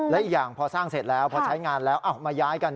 และอีกอย่างพอสร้างเสร็จแล้วพอใช้งานแล้วมาย้ายกัน